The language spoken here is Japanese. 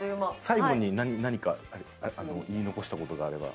最後に何か言い残した事があれば。